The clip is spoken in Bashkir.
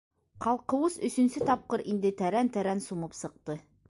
Ҡалҡыуыс өсөнсө тапҡыр инде тәрән-тәрән сумып сыҡты.